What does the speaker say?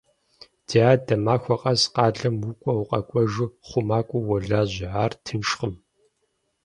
Ди адэ, махуэ къэс къалэм укӀуэ-укъэкӀуэжу хъумакӀуэу уолажьэ, ар тыншкъым.